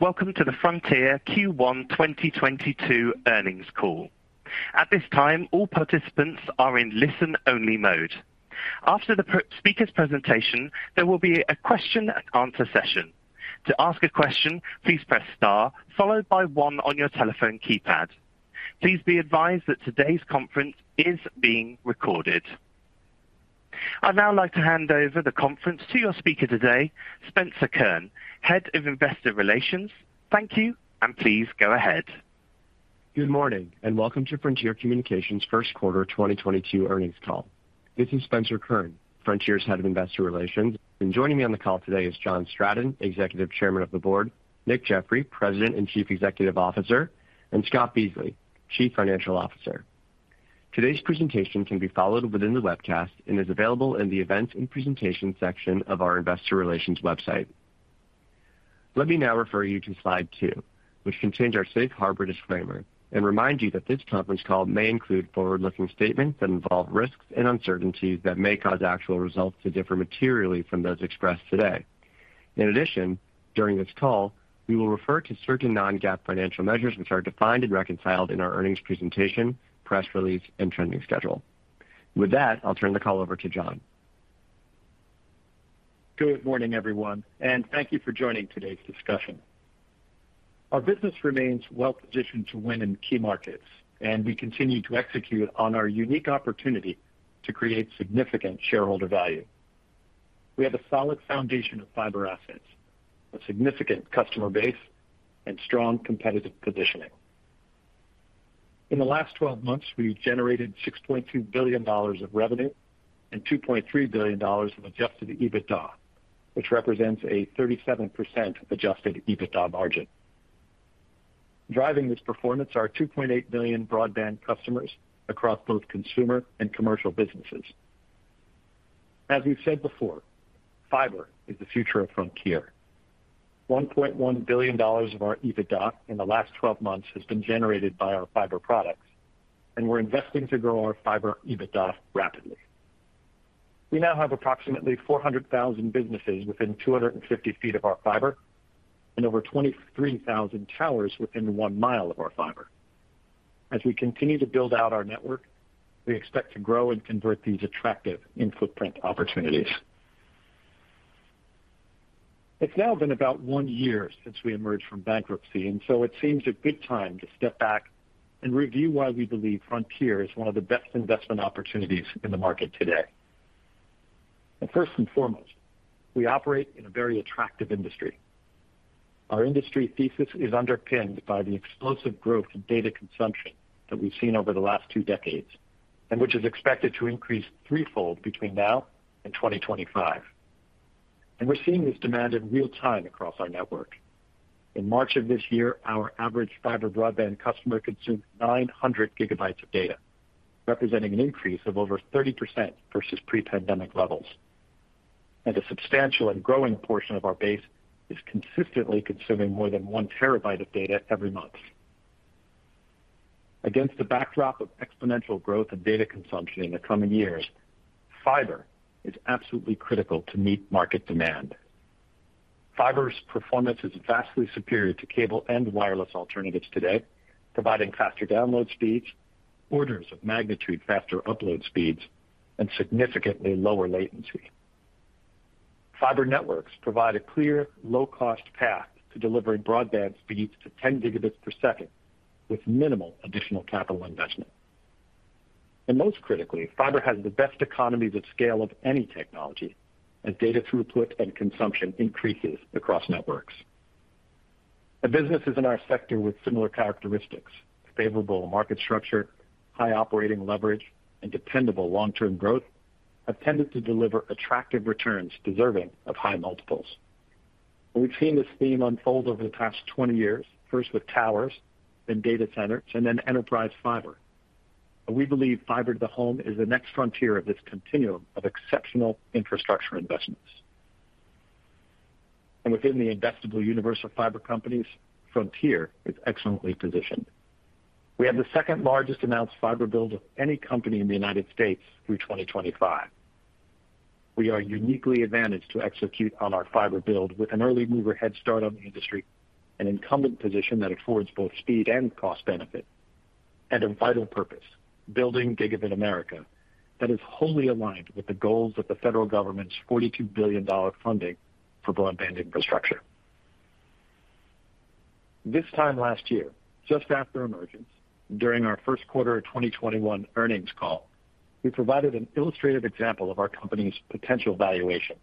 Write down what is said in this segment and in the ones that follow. Welcome to the Frontier Q1 2022 earnings call. At this time, all participants are in listen-only mode. After the speaker's presentation, there will be a question-and-answer session. To ask a question, please press star followed by one on your telephone keypad. Please be advised that today's conference is being recorded. I'd now like to hand over the conference to your speaker today, Spencer Kurn, Head of Investor Relations. Thank you, and please go ahead. Good morning, and welcome to Frontier Communications first quarter 2022 earnings call. This is Spencer Kurn, Frontier's Head of Investor Relations, and joining me on the call today is John Stratton, Executive Chairman of the Board, Nick Jeffery, President and Chief Executive Officer, and Scott Beasley, Chief Financial Officer. Today's presentation can be followed within the webcast and is available in the Events and Presentation section of our investor relations website. Let me now refer you to slide 2, which contains our safe harbor disclaimer, and remind you that this conference call may include forward-looking statements that involve risks and uncertainties that may cause actual results to differ materially from those expressed today. In addition, during this call, we will refer to certain Non-GAAP financial measures which are defined and reconciled in our earnings presentation, press release and trending schedule. With that, I'll turn the call over to John. Good morning, everyone, and thank you for joining today's discussion. Our business remains well positioned to win in key markets, and we continue to execute on our unique opportunity to create significant shareholder value. We have a solid foundation of fiber assets, a significant customer base, and strong competitive positioning. In the last twelve months, we've generated $6.2 billion of revenue and $2.3 billion of Adjusted EBITDA, which represents a 37% Adjusted EBITDA margin. Driving this performance are 2.8 million broadband customers across both consumer and commercial businesses. As we've said before, fiber is the future of Frontier. $1.1 billion of our EBITDA in the last twelve months has been generated by our fiber products, and we're investing to grow our fiber EBITDA rapidly. We now have approximately 400,000 businesses within 250 feet of our fiber and over 23,000 towers within one mile of our fiber. As we continue to build out our network, we expect to grow and convert these attractive in-footprint opportunities. It's now been about one year since we emerged from bankruptcy, and so it seems a good time to step back and review why we believe Frontier is one of the best investment opportunities in the market today. First and foremost, we operate in a very attractive industry. Our industry thesis is underpinned by the explosive growth in data consumption that we've seen over the last two decades, and which is expected to increase threefold between now and 2025. We're seeing this demand in real time across our network. In March of this year, our average fiber broadband customer consumed 900 GB of data, representing an increase of over 30% versus pre-pandemic levels. A substantial and growing portion of our base is consistently consuming more than 1 TB of data every month. Against the backdrop of exponential growth in data consumption in the coming years, fiber is absolutely critical to meet market demand. Fiber's performance is vastly superior to cable and wireless alternatives today, providing faster download speeds, orders of magnitude faster upload speeds, and significantly lower latency. Fiber networks provide a clear, low cost path to delivering broadband speeds to 10 Gbps with minimal additional capital investment. Most critically, fiber has the best economies of scale of any technology as data throughput and consumption increases across networks. Businesses in our sector with similar characteristics, favorable market structure, high operating leverage, and dependable long-term growth, have tended to deliver attractive returns deserving of high multiples. We've seen this theme unfold over the past 20 years, first with towers, then data centers, and then enterprise fiber. We believe fiber to the home is the next frontier of this continuum of exceptional infrastructure investments. Within the investable universe of fiber companies, Frontier is excellently positioned. We have the second-largest announced fiber build of any company in the United States through 2025. We are uniquely advantaged to execute on our fiber build with an early mover head start on the industry, an incumbent position that affords both speed and cost benefit, and a vital purpose, Building Gigabit America, that is wholly aligned with the goals of the federal government's $42 billion funding for broadband infrastructure. This time last year, just after emergence, during our first quarter of 2021 earnings call, we provided an illustrative example of our company's potential valuation.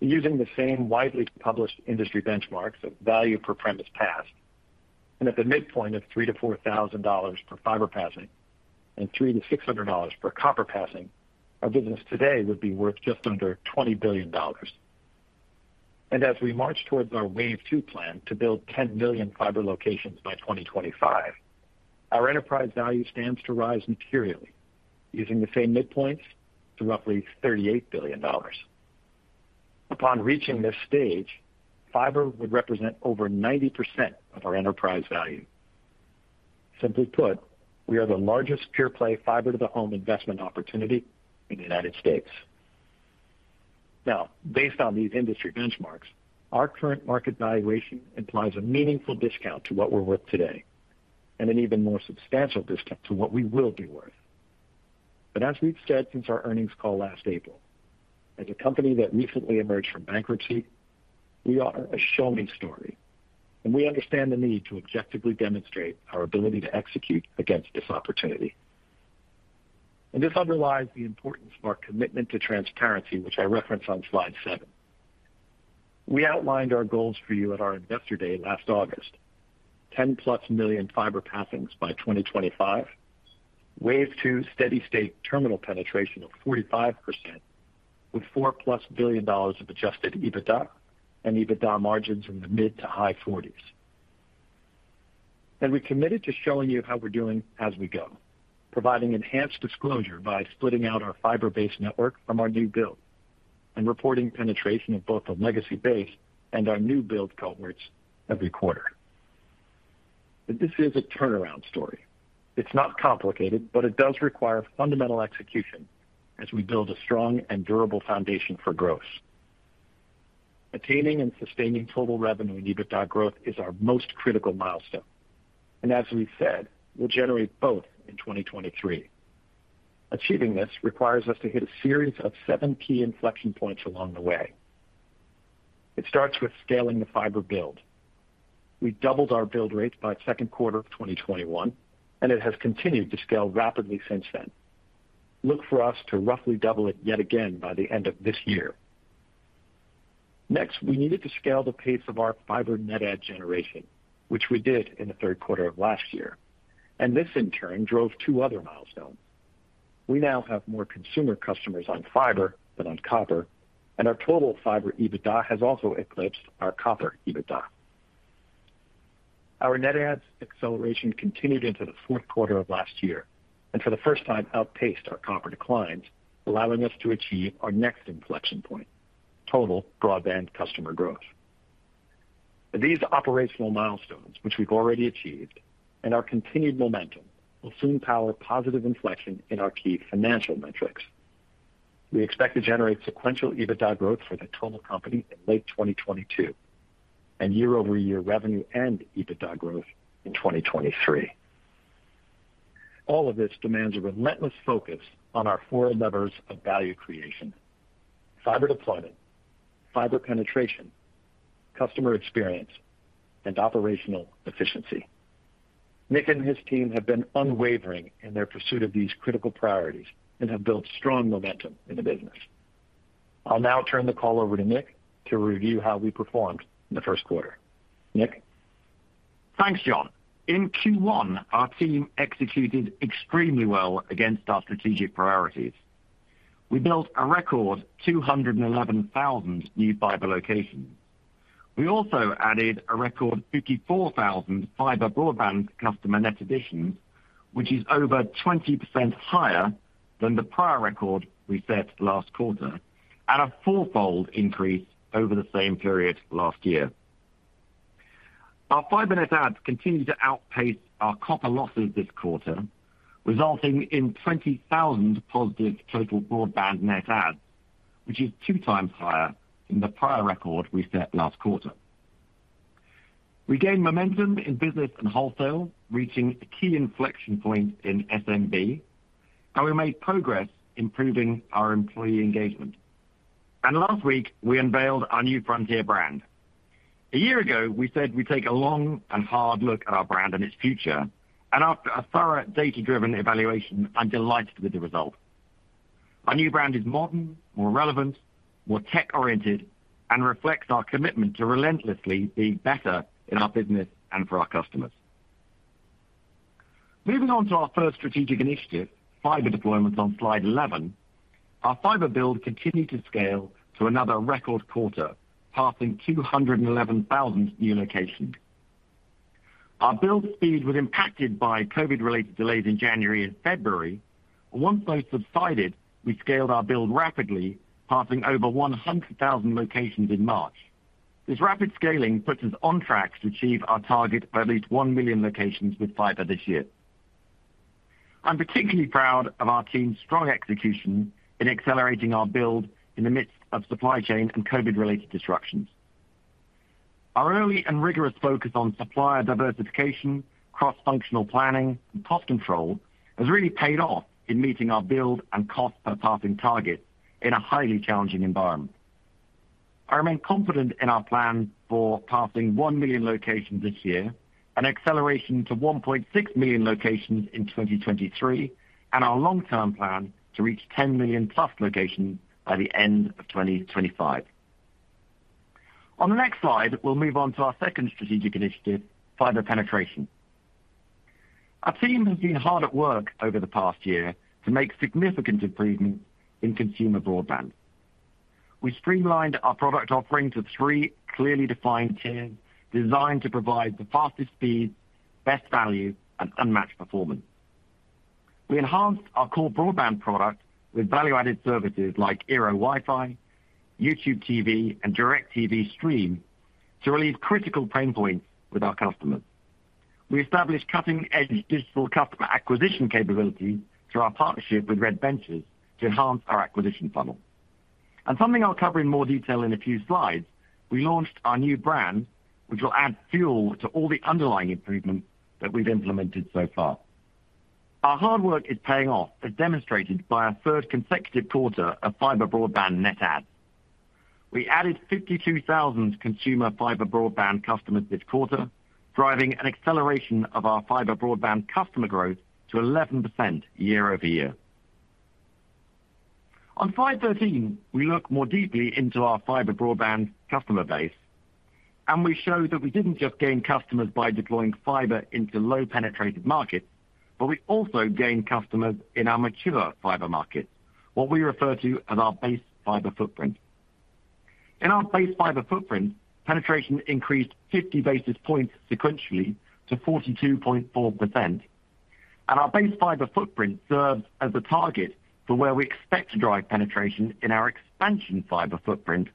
Using the same widely published industry benchmarks of value per premise passed, and at the midpoint of $3,000-$4,000 per fiber passing and $300-$600 per copper passing, our business today would be worth just under $20 billion. As we march towards our Wave 2 plan to build 10 million fiber locations by 2025, our enterprise value stands to rise materially using the same midpoints to roughly $38 billion. Upon reaching this stage, fiber would represent over 90% of our enterprise value. Simply put, we are the largest pure-play fiber to the home investment opportunity in the United States. Now, based on these industry benchmarks, our current market valuation implies a meaningful discount to what we're worth today, and an even more substantial discount to what we will be worth. As we've said since our earnings call last April, as a company that recently emerged from bankruptcy, we are a show-me story, and we understand the need to objectively demonstrate our ability to execute against this opportunity. This underlies the importance of our commitment to transparency, which I reference on slide seven. We outlined our goals for you at our investor day last August, 10+ million fiber passings by 2025, Wave 2 steady state terminal penetration of 45% with $4+ billion of Adjusted EBITDA and EBITDA margins in the mid- to high 40s%. We committed to showing you how we're doing as we go, providing enhanced disclosure by splitting out our fiber-based network from our new build and reporting penetration of both the legacy base and our new build cohorts every quarter. This is a turnaround story. It's not complicated, but it does require fundamental execution as we build a strong and durable foundation for growth. Attaining and sustaining total revenue and EBITDA growth is our most critical milestone. As we said, we'll generate both in 2023. Achieving this requires us to hit a series of seven key inflection points along the way. It starts with scaling the fiber build. We doubled our build rates by second quarter of 2021, and it has continued to scale rapidly since then. Look for us to roughly double it yet again by the end of this year. Next, we needed to scale the pace of our fiber net add generation, which we did in the third quarter of last year. This in turn drove two other milestones. We now have more consumer customers on fiber than on copper, and our total fiber EBITDA has also eclipsed our copper EBITDA. Our net adds acceleration continued into the fourth quarter of last year, and for the first time outpaced our copper declines, allowing us to achieve our next inflection point, total broadband customer growth. These operational milestones, which we've already achieved and our continued momentum, will soon power positive inflection in our key financial metrics. We expect to generate sequential EBITDA growth for the total company in late 2022, and year-over-year revenue and EBITDA growth in 2023. All of this demands a relentless focus on our four levers of value creation, fiber deployment, fiber penetration, customer experience, and operational efficiency. Nick and his team have been unwavering in their pursuit of these critical priorities and have built strong momentum in the business. I'll now turn the call over to Nick to review how we performed in the first quarter. Nick? Thanks, John. In Q1, our team executed extremely well against our strategic priorities. We built a record 211,000 new fiber locations. We also added a record 54,000 fiber broadband customer net additions, which is over 20% higher than the prior record we set last quarter, and a four-fold increase over the same period last year. Our fiber net adds continued to outpace our copper losses this quarter, resulting in 20,000 positive total broadband net adds, which is two times higher than the prior record we set last quarter. We gained momentum in business and wholesale, reaching a key inflection point in SMB, and we made progress improving our employee engagement. Last week, we unveiled our new Frontier brand. A year ago, we said we'd take a long and hard look at our brand and its future, and after a thorough data-driven evaluation, I'm delighted with the result. Our new brand is modern, more relevant, more tech-oriented, and reflects our commitment to relentlessly being better in our business and for our customers. Moving on to our first strategic initiative, fiber deployments on slide 11. Our fiber build continued to scale to another record quarter, passing 211,000 new locations. Our build speed was impacted by COVID-related delays in January and February, but once those subsided, we scaled our build rapidly, passing over 100,000 locations in March. This rapid scaling puts us on track to achieve our target of at least 1 million locations with fiber this year. I'm particularly proud of our team's strong execution in accelerating our build in the midst of supply chain and COVID-related disruptions. Our early and rigorous focus on supplier diversification, cross-functional planning, and cost control has really paid off in meeting our build and cost per passing targets in a highly challenging environment. I remain confident in our plan for passing 1 million locations this year, an acceleration to 1.6 million locations in 2023, and our long-term plan to reach 10+ million locations by the end of 2025. On the next slide, we'll move on to our second strategic initiative, fiber penetration. Our team has been hard at work over the past year to make significant improvements in consumer broadband. We streamlined our product offering to three clearly defined tiers designed to provide the fastest speed, best value, and unmatched performance. We enhanced our core broadband product with value-added services like eero Wi-Fi, YouTube TV, and DIRECTV STREAM to relieve critical pain points with our customers. We established cutting-edge digital customer acquisition capability through our partnership with Red Ventures to enhance our acquisition funnel. Something I'll cover in more detail in a few slides. We launched our new brand, which will add fuel to all the underlying improvements that we've implemented so far. Our hard work is paying off, as demonstrated by our third consecutive quarter of fiber broadband net adds. We added 52,000 consumer fiber broadband customers this quarter, driving an acceleration of our fiber broadband customer growth to 11% year-over-year. On slide 13, we look more deeply into our fiber broadband customer base, and we show that we didn't just gain customers by deploying fiber into low penetrated markets, but we also gained customers in our mature fiber markets, what we refer to as our base fiber footprint. In our base fiber footprint, penetration increased 50 basis points sequentially to 42.4%. Our base fiber footprint serves as a target for where we expect to drive penetration in our expansion fiber footprint,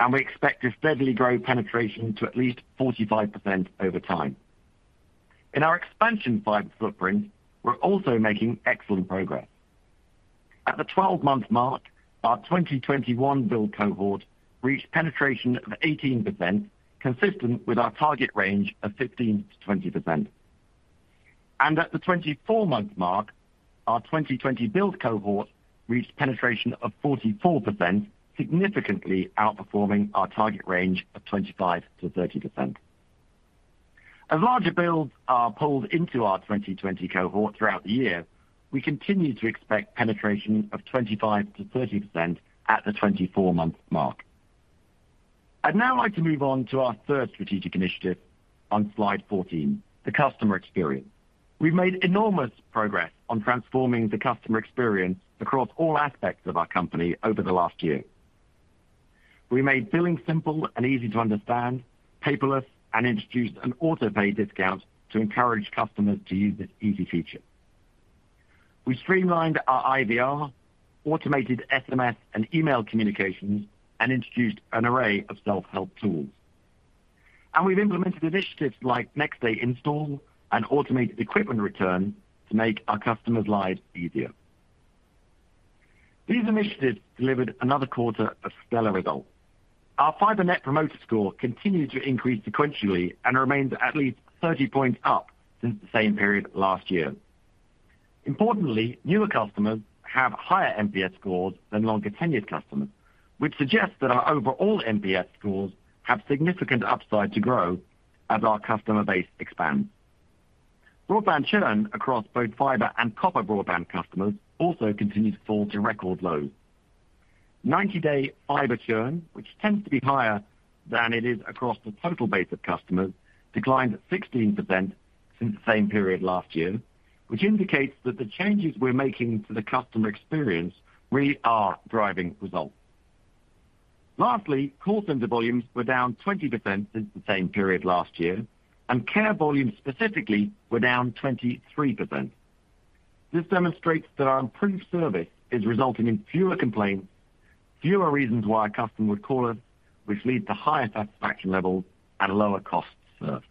and we expect to steadily grow penetration to at least 45% over time. In our expansion fiber footprint, we're also making excellent progress. At the 12-month mark, our 2021 build cohort reached penetration of 18% consistent with our target range of 15%-20%. At the 24-month mark, our 2020 build cohort reached penetration of 44%, significantly outperforming our target range of 25%-30%. As larger builds are pulled into our 2020 cohort throughout the year, we continue to expect penetration of 25%-30% at the 24-month mark. I'd now like to move on to our third strategic initiative on slide 14, the customer experience. We've made enormous progress on transforming the customer experience across all aspects of our company over the last year. We made billing simple and easy to understand, paperless, and introduced an auto-pay discount to encourage customers to use this easy feature. We streamlined our IVR, automated SMS and email communications, and introduced an array of self-help tools. We've implemented initiatives like next day install and automated equipment return to make our customers' lives easier. These initiatives delivered another quarter of stellar results. Our Fiber Net Promoter Score continues to increase sequentially and remains at least 30 points up since the same period last year. Importantly, newer customers have higher NPS scores than longer-tenured customers, which suggests that our overall NPS scores have significant upside to grow as our customer base expands. Broadband churn across both fiber and copper broadband customers also continues to fall to record lows. 90-day fiber churn, which tends to be higher than it is across the total base of customers, declined 16% since the same period last year, which indicates that the changes we're making to the customer experience really are driving results. Lastly, call center volumes were down 20% since the same period last year, and care volumes specifically were down 23%. This demonstrates that our improved service is resulting in fewer complaints, fewer reasons why a customer would call us, which leads to higher satisfaction levels at a lower cost to serve.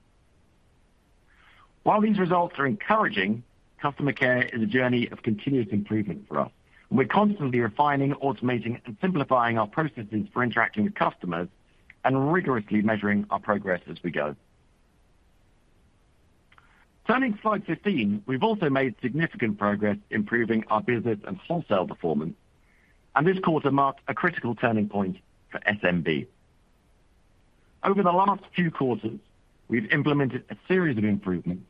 While these results are encouraging, customer care is a journey of continuous improvement for us. We're constantly refining, automating, and simplifying our processes for interacting with customers and rigorously measuring our progress as we go. Turning to slide 15. We've also made significant progress improving our business and wholesale performance, and this quarter marks a critical turning point for SMB. Over the last few quarters, we've implemented a series of improvements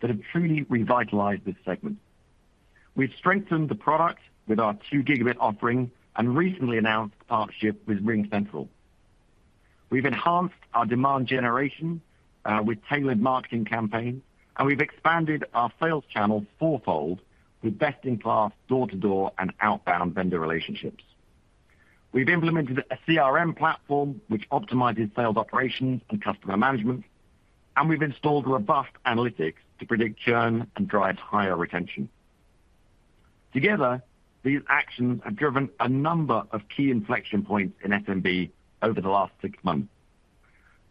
that have truly revitalized this segment. We've strengthened the product with our 2 Gb offering and recently announced a partnership with RingCentral. We've enhanced our demand generation with tailored marketing campaigns, and we've expanded our sales channel 4-fold with best-in-class door-to-door and outbound vendor relationships. We've implemented a CRM platform which optimizes sales operations and customer management, and we've installed robust analytics to predict churn and drive higher retention. Together, these actions have driven a number of key inflection points in SMB over the last six months.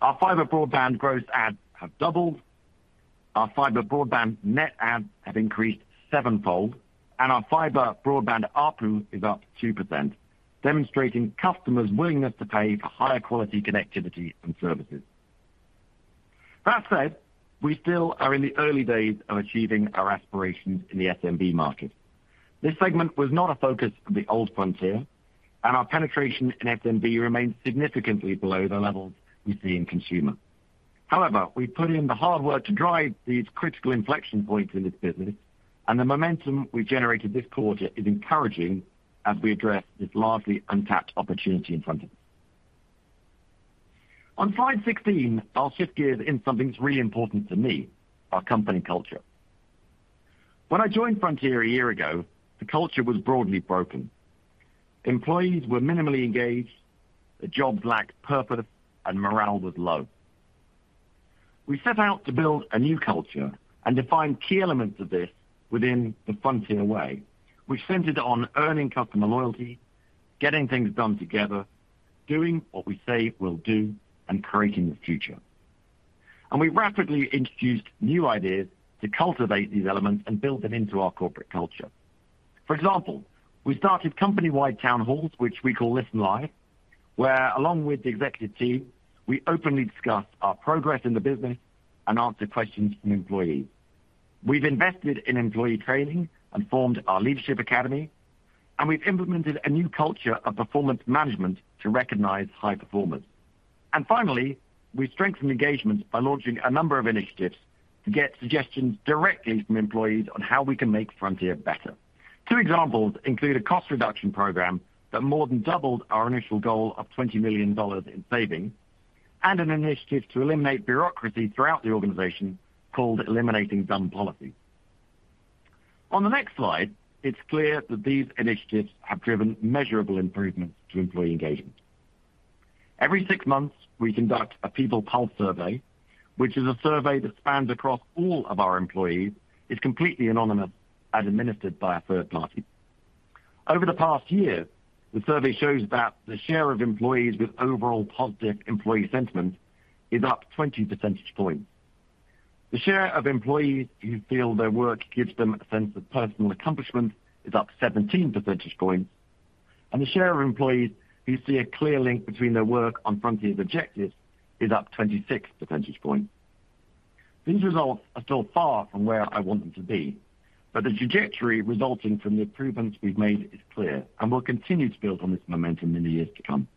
Our fiber broadband gross adds have doubled. Our fiber broadband net adds have increased seven-fold. Our fiber broadband ARPU is up 2%, demonstrating customers' willingness to pay for higher quality connectivity and services. That said, we still are in the early days of achieving our aspirations in the SMB market. This segment was not a focus of the old Frontier, and our penetration in SMB remains significantly below the levels we see in consumer. However, we put in the hard work to drive these critical inflection points in this business. The momentum we generated this quarter is encouraging as we address this largely untapped opportunity in front of us. On slide 16, I'll shift gears to something that's really important to me, our company culture. When I joined Frontier a year ago, the culture was broadly broken. Employees were minimally engaged, the jobs lacked purpose, and morale was low. We set out to build a new culture and define key elements of this within the Frontier Way. We centered on earning customer loyalty, getting things done together, doing what we say we'll do, and creating the future. We rapidly introduced new ideas to cultivate these elements and build them into our corporate culture. For example, we started company-wide town halls, which we call Listen Live, where along with the executive team, we openly discuss our progress in the business and answer questions from employees. We've invested in employee training and formed our leadership academy, and we've implemented a new culture of performance management to recognize high performance. Finally, we strengthened engagement by launching a number of initiatives to get suggestions directly from employees on how we can make Frontier better. Two examples include a cost reduction program that more than doubled our initial goal of $20 million in savings and an initiative to eliminate bureaucracy throughout the organization called Eliminating Dumb Policy. On the next slide, it's clear that these initiatives have driven measurable improvements to employee engagement. Every six months, we conduct a people pulse survey, which is a survey that spans across all of our employees. It's completely anonymous and administered by a third party. Over the past year, the survey shows that the share of employees with overall positive employee sentiment is up 20 percentage points. The share of employees who feel their work gives them a sense of personal accomplishment is up 17 percentage points. The share of employees who see a clear link between their work on Frontier's objectives is up 26 percentage points. These results are still far from where I want them to be, but the trajectory resulting from the improvements we've made is clear, and we'll continue to build on this momentum in the years to come.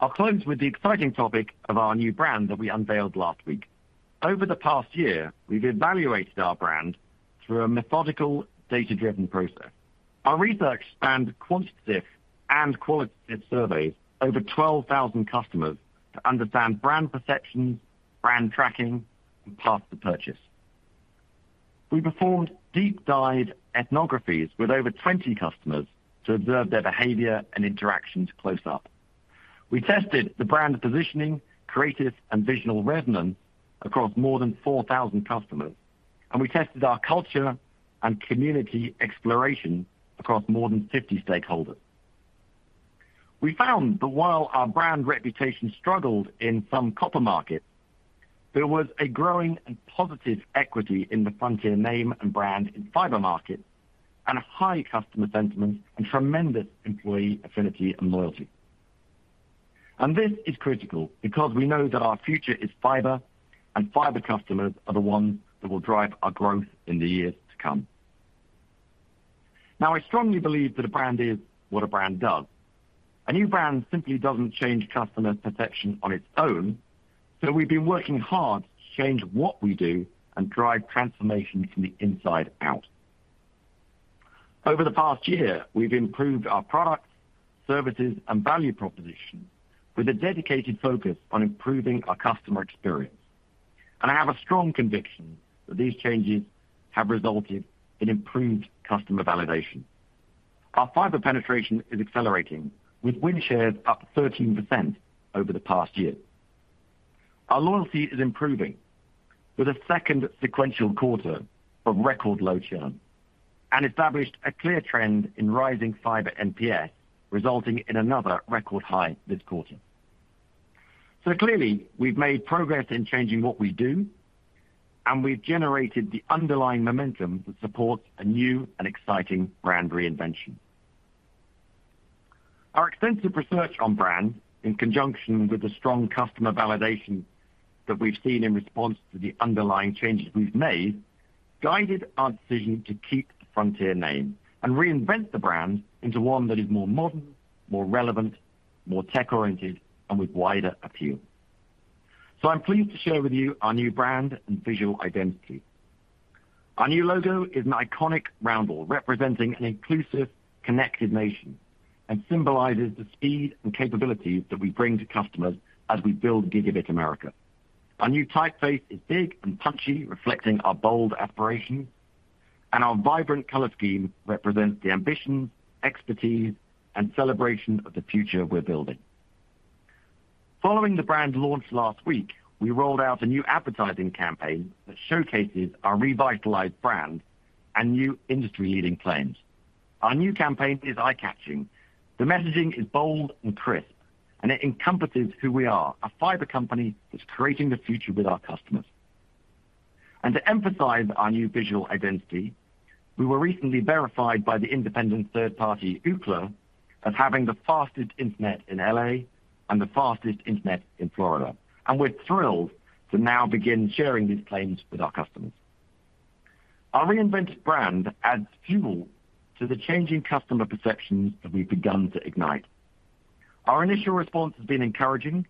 I'll close with the exciting topic of our new brand that we unveiled last week. Over the past year, we've evaluated our brand through a methodical, data-driven process. Our research spanned quantitative and qualitative surveys over 12,000 customers to understand brand perceptions, brand tracking, and path to purchase. We performed deep dive ethnographies with over 20 customers to observe their behavior and interactions close up. We tested the brand positioning, creative, and visual resonance across more than 4,000 customers, and we tested our culture and community exploration across more than 50 stakeholders. We found that while our brand reputation struggled in some copper markets, there was a growing and positive equity in the Frontier name and brand in fiber markets and a high customer sentiment and tremendous employee affinity and loyalty. This is critical because we know that our future is fiber and fiber customers are the ones that will drive our growth in the years to come. Now, I strongly believe that a brand is what a brand does. A new brand simply doesn't change customer perception on its own. We've been working hard to change what we do and drive transformation from the inside out. Over the past year, we've improved our products, services, and value proposition with a dedicated focus on improving our customer experience. I have a strong conviction that these changes have resulted in improved customer validation. Our fiber penetration is accelerating with win shares up 13% over the past year. Our loyalty is improving with a second sequential quarter of record low churn and established a clear trend in rising fiber NPS, resulting in another record high this quarter. Clearly, we've made progress in changing what we do, and we've generated the underlying momentum that supports a new and exciting brand reinvention. Our extensive research on brand, in conjunction with the strong customer validation that we've seen in response to the underlying changes we've made, guided our decision to keep the Frontier name and reinvent the brand into one that is more modern, more relevant, more tech-oriented, and with wider appeal. I'm pleased to share with you our new brand and visual identity. Our new logo is an iconic roundel representing an inclusive, connected nation and symbolizes the speed and capabilities that we bring to customers as we build Gigabit America. Our new typeface is big and punchy, reflecting our bold aspirations, and our vibrant color scheme represents the ambition, expertise, and celebration of the future we're building. Following the brand launch last week, we rolled out a new advertising campaign that showcases our revitalized brand and new industry-leading claims. Our new campaign is eye-catching. The messaging is bold and crisp, and it encompasses who we are, a fiber company that's creating the future with our customers. To emphasize our new visual identity, we were recently verified by the independent third party Ookla as having the fastest internet in L.A. and the fastest internet in Florida. We're thrilled to now begin sharing these claims with our customers. Our reinvented brand adds fuel to the changing customer perceptions that we've begun to ignite. Our initial response has been encouraging,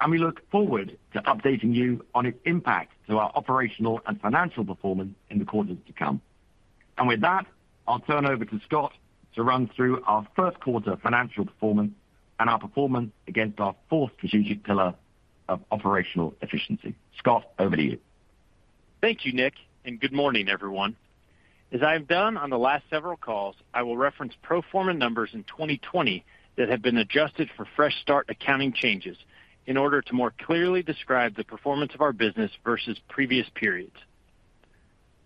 and we look forward to updating you on its impact to our operational and financial performance in the quarters to come. With that, I'll turn over to Scott to run through our first quarter financial performance and our performance against our fourth strategic pillar of operational efficiency. Scott, over to you. Thank you, Nick, and good morning, everyone. As I have done on the last several calls, I will reference pro forma numbers in 2020 that have been adjusted for fresh start accounting changes in order to more clearly describe the performance of our business versus previous periods.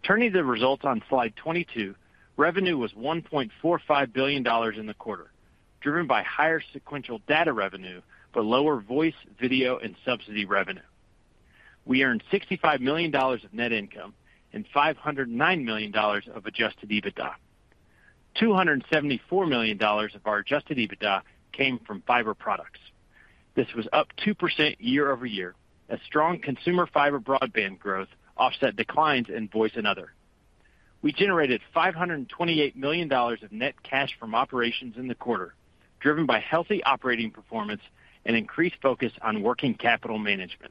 Turning to the results on slide 22, revenue was $1.45 billion in the quarter, driven by higher sequential data revenue, but lower voice, video, and subsidy revenue. We earned $65 million of net income and $509 million of Adjusted EBITDA. $274 million of our Adjusted EBITDA came from fiber products. This was up 2% year-over-year as strong consumer fiber broadband growth offset declines in voice and other. We generated $528 million of net cash from operations in the quarter, driven by healthy operating performance and increased focus on working capital management.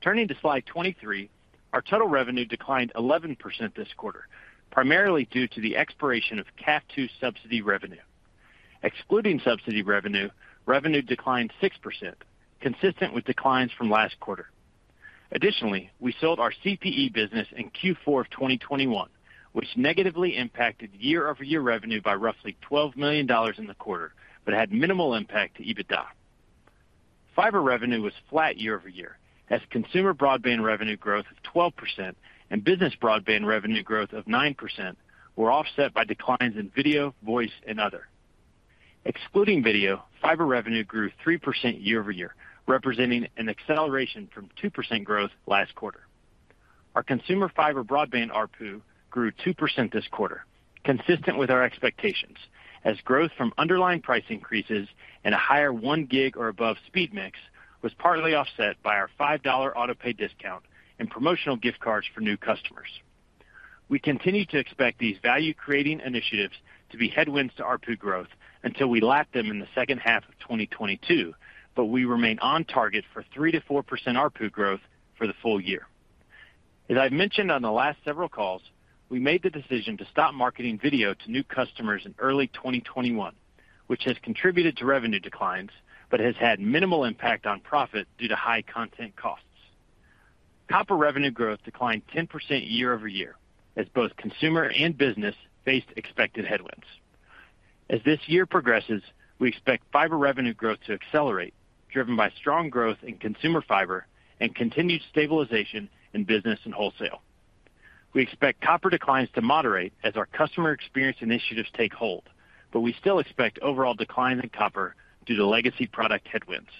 Turning to slide 23, our total revenue declined 11% this quarter, primarily due to the expiration of CAFII subsidy revenue. Excluding subsidy revenue declined 6%, consistent with declines from last quarter. Additionally, we sold our CPE business in Q4 of 2021, which negatively impacted year-over-year revenue by roughly $12 million in the quarter, but had minimal impact to EBITDA. Fiber revenue was flat year-over-year as consumer broadband revenue growth of 12% and business broadband revenue growth of 9% were offset by declines in video, voice, and other. Excluding video, fiber revenue grew 3% year-over-year, representing an acceleration from 2% growth last quarter. Our consumer fiber broadband ARPU grew 2% this quarter, consistent with our expectations, as growth from underlying price increases and a higher 1 gig or above speed mix was partly offset by our $5 auto pay discount and promotional gift cards for new customers. We continue to expect these value-creating initiatives to be headwinds to ARPU growth until we lap them in the second half of 2022, but we remain on target for 3%-4% ARPU growth for the full year. I've mentioned on the last several calls, we made the decision to stop marketing video to new customers in early 2021, which has contributed to revenue declines, but has had minimal impact on profit due to high content costs. Copper revenue growth declined 10% year-over-year as both consumer and business faced expected headwinds. As this year progresses, we expect fiber revenue growth to accelerate, driven by strong growth in consumer fiber and continued stabilization in business and wholesale. We expect copper declines to moderate as our customer experience initiatives take hold, but we still expect overall declines in copper due to legacy product headwinds.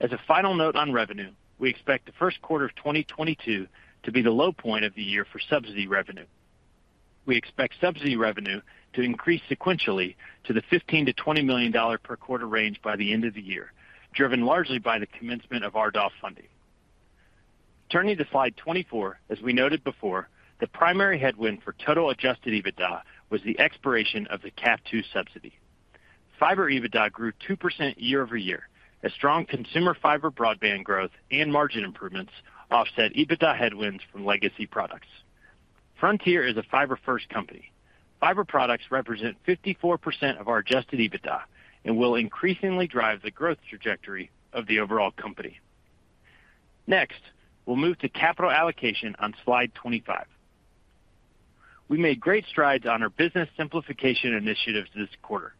As a final note on revenue, we expect the first quarter of 2022 to be the low point of the year for subsidy revenue. We expect subsidy revenue to increase sequentially to the $15 million-$20 million per quarter range by the end of the year, driven largely by the commencement of RDOF funding. Turning to slide 24, as we noted before, the primary headwind for total Adjusted EBITDA was the expiration of the CAFII subsidy. Fiber EBITDA grew 2% year-over-year as strong consumer fiber broadband growth and margin improvements offset EBITDA headwinds from legacy products. Frontier is a fiber-first company. Fiber products represent 54% of our Adjusted EBITDA and will increasingly drive the growth trajectory of the overall company. Next, we'll move to capital allocation on slide 25. We made great strides on our business simplification initiatives this quarter.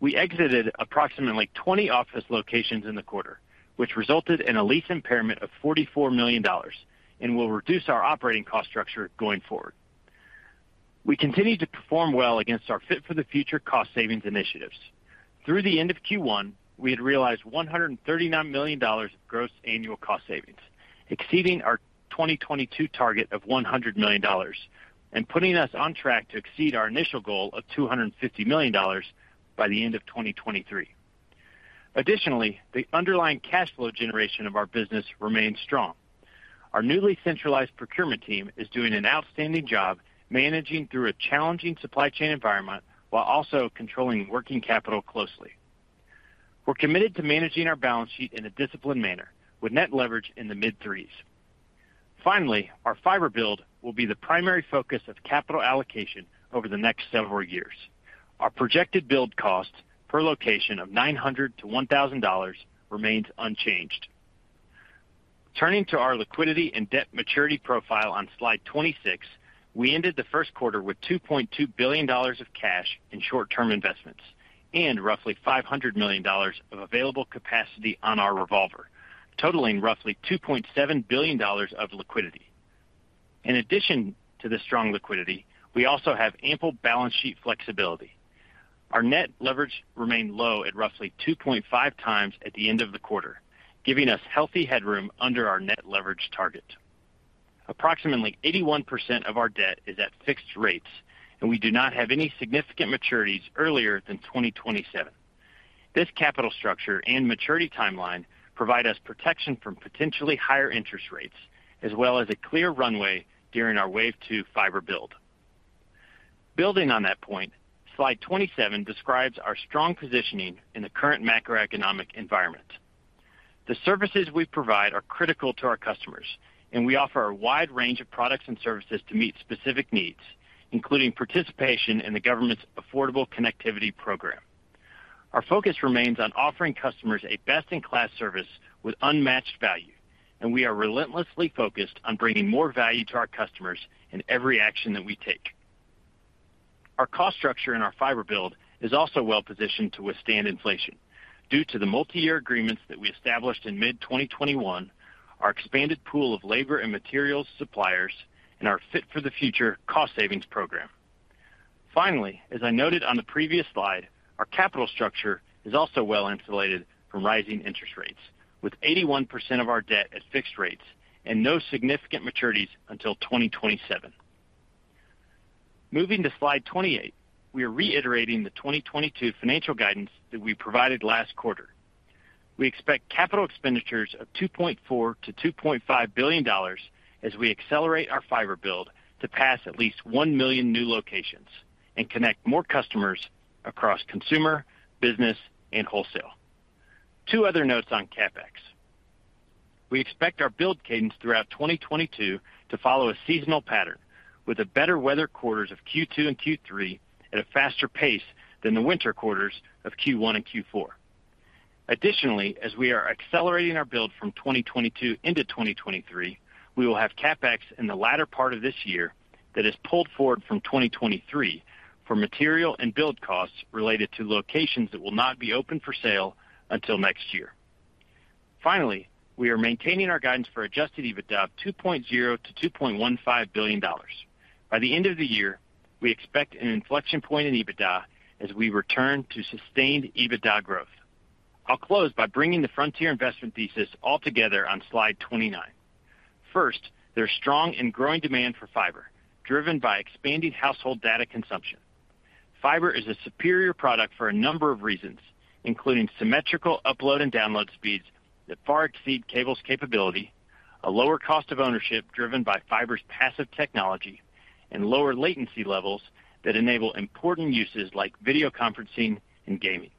We exited approximately 20 office locations in the quarter, which resulted in a lease impairment of $44 million and will reduce our operating cost structure going forward. We continued to perform well against our Fit for the Future cost savings initiatives. Through the end of Q1, we had realized $139 million of gross annual cost savings, exceeding our 2022 target of $100 million and putting us on track to exceed our initial goal of $250 million by the end of 2023. Additionally, the underlying cash flow generation of our business remains strong. Our newly centralized procurement team is doing an outstanding job managing through a challenging supply chain environment while also controlling working capital closely. We're committed to managing our balance sheet in a disciplined manner with net leverage in the mid threes. Finally, our fiber build will be the primary focus of capital allocation over the next several years. Our projected build cost per location of $900-$1,000 remains unchanged. Turning to our liquidity and debt maturity profile on slide 26, we ended the first quarter with $2.2 billion of cash and short-term investments and roughly $500 million of available capacity on our revolver, totaling roughly $2.7 billion of liquidity. In addition to the strong liquidity, we also have ample balance sheet flexibility. Our net leverage remained low at roughly 2.5 times at the end of the quarter, giving us healthy headroom under our net leverage target. Approximately 81% of our debt is at fixed rates, and we do not have any significant maturities earlier than 2027. This capital structure and maturity timeline provide us protection from potentially higher interest rates as well as a clear runway during our Wave 2 fiber build. Building on that point, slide 27 describes our strong positioning in the current macroeconomic environment. The services we provide are critical to our customers, and we offer a wide range of products and services to meet specific needs, including participation in the government's Affordable Connectivity Program. Our focus remains on offering customers a best-in-class service with unmatched value, and we are relentlessly focused on bringing more value to our customers in every action that we take. Our cost structure and our fiber build is also well positioned to withstand inflation due to the multi-year agreements that we established in mid-2021, our expanded pool of labor and materials suppliers, and our Fit for the Future cost savings program. Finally, as I noted on the previous slide, our capital structure is also well insulated from rising interest rates, with 81% of our debt at fixed rates and no significant maturities until 2027. Moving to slide 28, we are reiterating the 2022 financial guidance that we provided last quarter. We expect capital expenditures of $2.4 billion-$2.5 billion as we accelerate our fiber build to pass at least 1 million new locations and connect more customers across consumer, business, and wholesale. Two other notes on CapEx. We expect our build cadence throughout 2022 to follow a seasonal pattern with the better weather quarters of Q2 and Q3 at a faster pace than the winter quarters of Q1 and Q4. Additionally, as we are accelerating our build from 2022 into 2023, we will have CapEx in the latter part of this year that is pulled forward from 2023 for material and build costs related to locations that will not be open for sale until next year. Finally, we are maintaining our guidance for Adjusted EBITDA of $2.0 billion-$2.15 billion. By the end of the year, we expect an inflection point in EBITDA as we return to sustained EBITDA growth. I'll close by bringing the Frontier investment thesis all together on slide 29. First, there's strong and growing demand for fiber, driven by expanding household data consumption. Fiber is a superior product for a number of reasons, including symmetrical upload and download speeds that far exceed cable's capability, a lower cost of ownership driven by fiber's passive technology, and lower latency levels that enable important uses like video conferencing and gaming.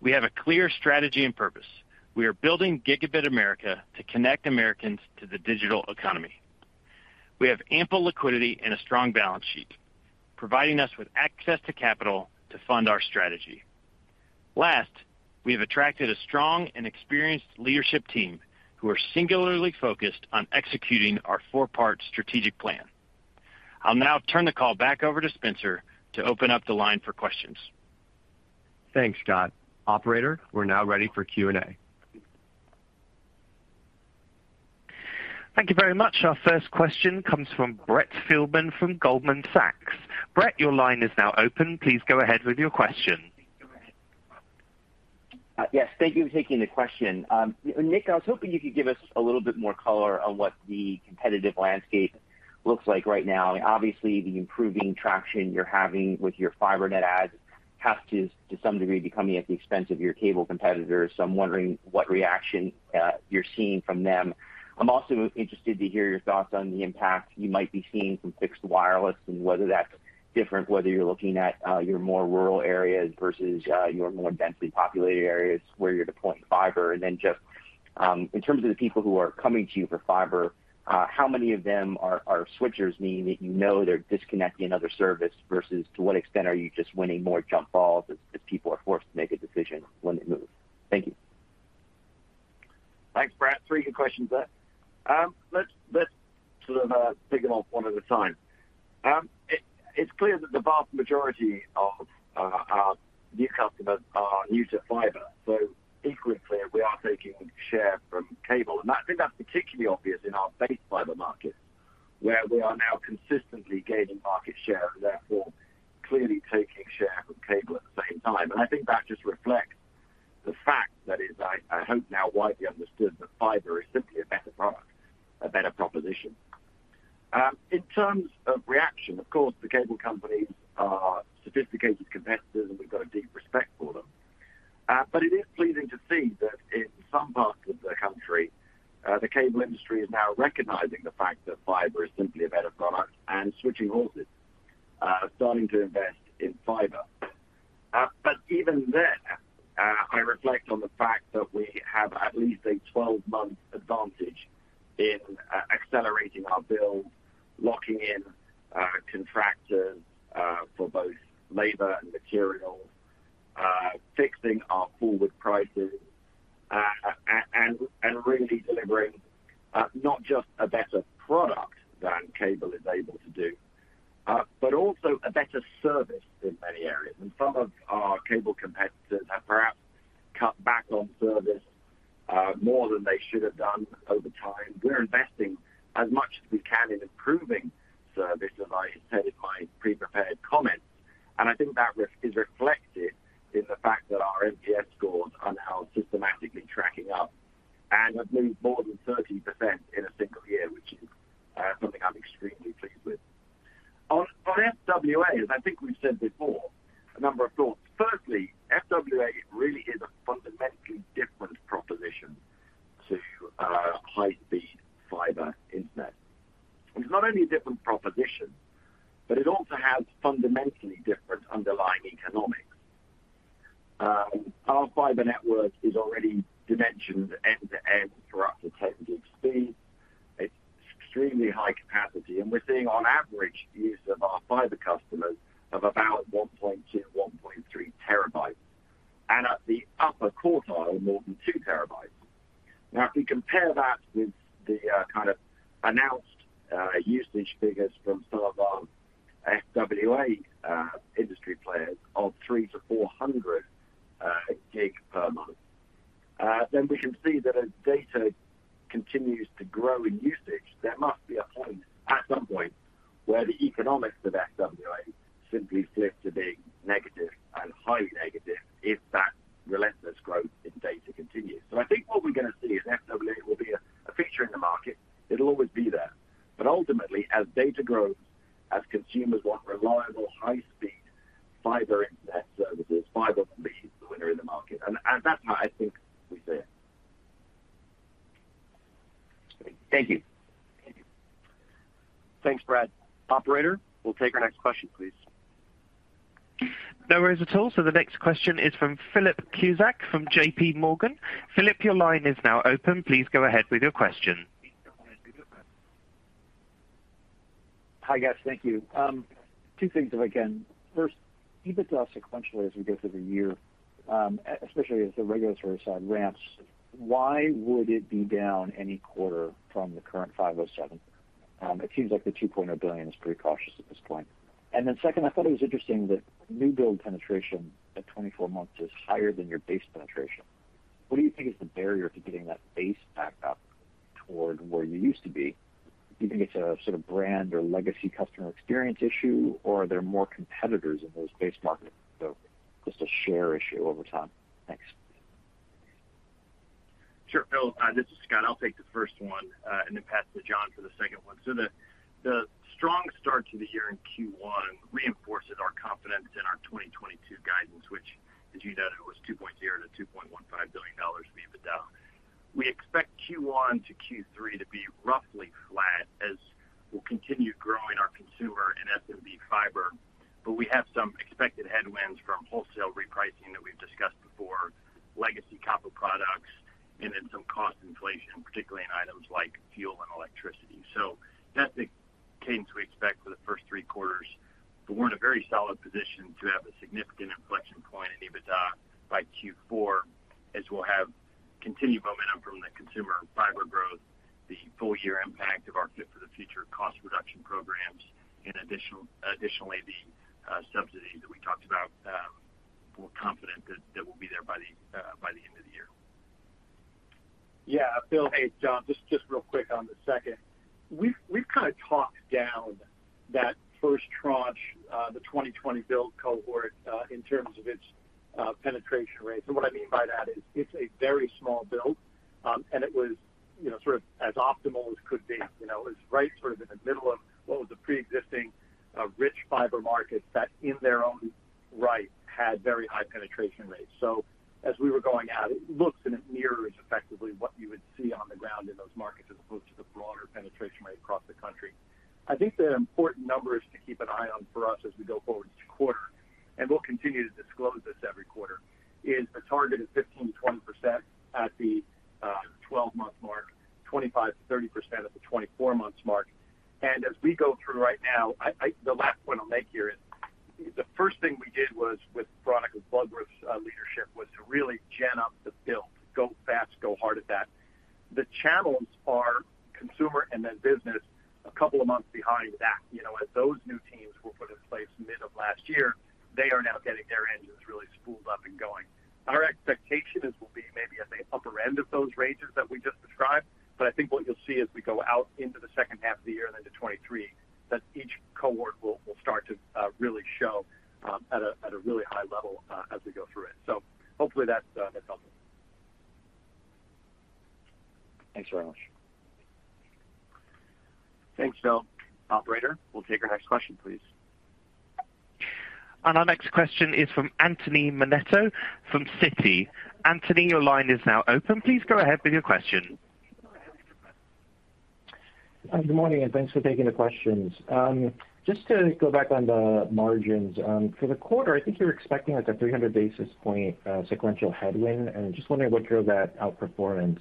We have a clear strategy and purpose. We are Building Gigabit America to connect Americans to the digital economy. We have ample liquidity and a strong balance sheet, providing us with access to capital to fund our strategy. Last, we have attracted a strong and experienced leadership team who are singularly focused on executing our four-part strategic plan. I'll now turn the call back over to Spencer to open up the line for questions. Thanks, Scott. Operator, we're now ready for Q&A. Thank you very much. Our first question comes from Brett Feldman from Goldman Sachs. Brett, your line is now open. Please go ahead with your question. Yes, thank you for taking the question. Nick, I was hoping you could give us a little bit more color on what the competitive landscape looks like right now. Obviously, the improving traction you're having with your fiber net adds has to some degree be coming at the expense of your cable competitors. I'm wondering what reaction you're seeing from them. I'm also interested to hear your thoughts on the impact you might be seeing from fixed wireless, and whether that's different, whether you're looking at your more rural areas versus your more densely populated areas where you're deploying fiber. Just, in terms of the people who are coming to you for fiber, how many of them are switchers, meaning that you know they're disconnecting another service versus to what extent are you just winning more jump balls as people are forced to make a decision when they move? Thank you. Thanks, Brett. Three good questions there. Let's sort of take them one at a time. It's clear that the vast majority of our new customers are new to fiber, so equally clear we are taking share from cable. I think that's particularly obvious in our base fiber market, where we are now consistently gaining market share, therefore clearly taking share from cable at the same time. I think that just reflects the fact that I hope now widely understood, that fiber is simply a better product, a better proposition. In terms of reaction, of course, the cable companies are sophisticated competitors, and we've got a deep respect for them. It is pleasing to see that in some parts of the country, the cable industry is now recognizing the fact that fiber is simply a better product and switching horses, starting to invest in fiber. Even then, I reflect on the fact that we have at least a 12-month advantage in accelerating our build, locking in contractors for both labor and materials, fixing our forward prices, and really delivering not just a better product than cable is able to do, but also a better service in many areas. Some of our cable competitors have perhaps cut back on service more than they should have done over time. We're investing as much as we can in improving service, as I said in my pre-prepared comments, and I think that is reflected in the fact that our NPS scores are now systematically tracking up at maybe more than 30% in a single year, which is something I'm extremely pleased with. On FWA, as I think we've said before, a number of thoughts. Firstly, FWA really is a fundamentally different proposition to high-speed fiber internet. It's not only a different proposition, but it also has fundamentally different underlying economics. Our fiber network is already dimensioned end-to-end for up to 10 gig speed. Really high capacity. We're seeing on average use of our fiber customers of about 1.2 TB-1.3 TB, and at the upper quartile, more than 2 TB. Now, if we compare that with the kind of announced usage figures from some of our FWA industry players of 300 GB-400 GB per month, then we can see that as data continues to grow in usage, there must be a point at some point where the economics of FWA simply flip to being negative and highly negative if that relentless growth in data continues. I think what we're gonna see is FWA will be a feature in the market. It'll always be there. Ultimately, as data grows, as consumers want reliable high-speed fiber internet services, fiber will be the winner in the market. At that time, I think we see it. Thank you. Thanks, Brett. Operator, we'll take our next question, please. No worries at all. The next question is from Philip Cusick from JPMorgan. Philip, your line is now open. Please go ahead with your question. Hi, guys. Thank you. Two things if I can. First, EBITDA sequentially as we go through the year, especially as the regulatory side ramps, why would it be down any quarter from the current $507? It seems like the $2.0 billion is pretty cautious at this point. Second, I thought it was interesting that new build penetration at 24 months is higher than your base penetration. What do you think is the barrier to getting that base back up toward where you used to be? Do you think it's a sort of brand or legacy customer experience issue, or are there more competitors in those base markets, so just a share issue over time? Thanks. Sure, Phil. This is Scott. I'll take the first one and then pass to John for the second one. The strong start to the year in Q1 reinforces our confidence in our 2022 guidance, which, as you noted, was $2.0 billion-$2.15 billion of EBITDA. We expect Q1 to Q3 to be roughly flat as we'll continue growing our consumer and SMB fiber, but we have some expected headwinds from wholesale repricing that we've discussed before, legacy copper products, and then some cost inflation, particularly in items like fuel and electricity. That's the trends we expect for the first three quarters. We're in a very solid position to have a significant inflection point in EBITDA by Q4, as we'll have continued momentum from the consumer and fiber growth, the full year impact of our Fit for the Future cost reduction programs, and additionally, the subsidy that we talked about. We're confident that will be there by the end of the year. Yeah. Phil, hey, John, just real quick on the second. We've kind of talked down that first tranche, the 2020 build cohort, in terms of its penetration rates. What I mean by that is it's a very small build, and it was, you know, sort of as optimal as could be. You know, it was right sort of in the middle of what was a preexisting, rich fiber market that in their own right had very high penetration rates. As we were going out, it looks and it mirrors effectively what you would see on the ground in those markets as opposed to the broader penetration rate across the country. I think the important numbers to keep an eye on for us as we go forward each quarter, and we'll continue to disclose this every quarter, is a target of 15%-20% at the 12-month mark, 25%-30% at the 24-month mark. As we go through right now, the last point I'll make here is the first thing we did was with Veronica Bloodworth leadership, was to really gin up the build, go fast, go hard at that. The channels are consumer and then business a couple of months behind that. You know, as those new teams were put in place mid of last year, they are now getting their engines really spooled up and going. Our expectation is we'll be maybe at the upper end of those ranges that we just described. I think what you'll see as we go out into the second half of the year and then to 2023, that each cohort will start to really show at a really high level as we go through it. Hopefully that helps. Thanks very much. Thanks, Phil. Operator, we'll take our next question, please. Our next question is from Anthony Nemoto from Citi. Anthony, your line is now open. Please go ahead with your question. Good morning, and thanks for taking the questions. Just to go back on the margins. For the quarter, I think you're expecting like a 300 basis point sequential headwind, and just wondering what drove that outperformance.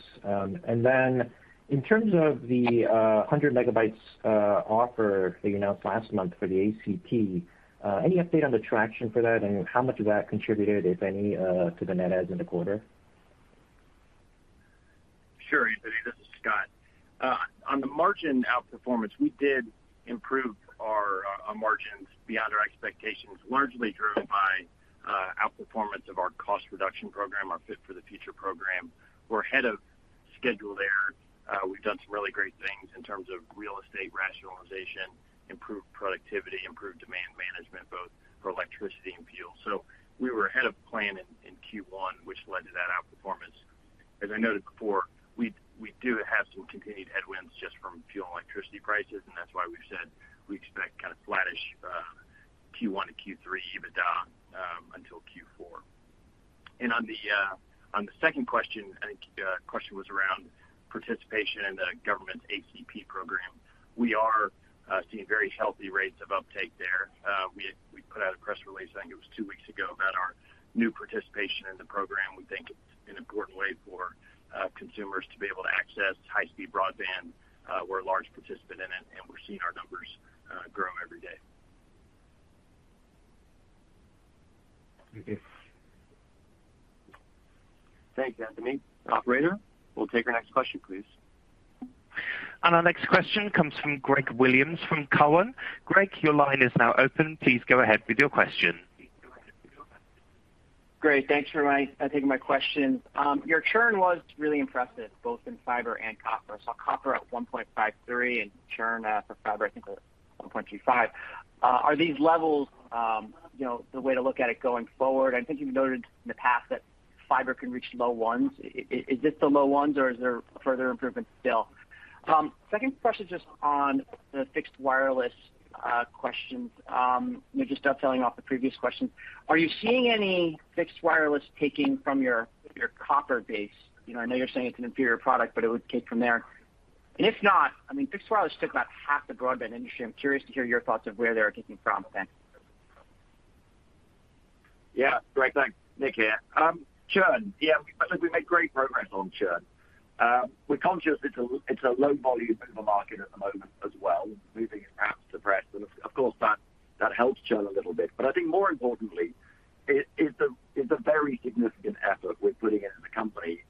In terms of the 100 megabits offer that you announced last month for the ACP, any update on the traction for that and how much of that contributed, if any, to the net adds in the quarter? Sure, Anthony. This is Scott. On the margin outperformance, we did improve our margins beyond our expectations, largely driven by outperformance of our cost reduction program, our Fit for the Future program. We're ahead of schedule there. We've done some really great things in terms of real estate rationalization, improved productivity, improved demand management, both for electricity and fuel. So we were ahead of plan in Q1, which led to that outperformance. As I noted before, we do have some continued headwinds just from fuel and electricity prices, and that's why we've said we expect kind of flattish Q1 to Q3 EBITDA until Q4. On the second question, I think the question was around participation in the government's ACP program. We are seeing very healthy rates of uptake there. We put out a press release, I think it was two weeks ago about New participation in the program. We think it's an important way for consumers to be able to access high speed broadband. We're a large participant in it, and we're seeing our numbers grow every day. Okay. Thanks, Anthony. Operator, we'll take our next question, please. Our next question comes from Greg Williams from Cowen. Greg, your line is now open. Please go ahead with your question. Great. Thanks for taking my questions. Your churn was really impressive, both in fiber and copper. Copper at 1.53% churn for fiber, I think it was 1.25%. Are these levels, you know, the way to look at it going forward? I think you've noted in the past that fiber can reach low ones. Is this the low ones or is there further improvement still? Second question just on the fixed wireless questions. You know, just building off the previous question, are you seeing any fixed wireless taking from your copper base? You know, I know you're saying it's an inferior product, but it would take from there. If not, I mean, fixed wireless took about half the broadband industry. I'm curious to hear your thoughts of where they are taking from then. Yeah. Great. Thanks. Nick here. Churn. Yeah, I think we made great progress on churn. We're conscious it's a low volume housing market at the moment as well, and of course that helps churn a little bit. But I think more importantly, it is a very significant effort we're putting into the company